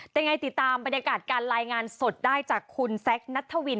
ยังไงติดตามบรรยากาศการรายงานสดได้จากคุณแซคนัทธวิน